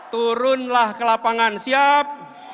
turunlah ke lapangan siap